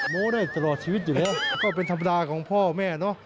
โม้ได้ตลอดชีวิตอยู่แล้วก็เป็นธรรมดาของพ่อแม่เนอะ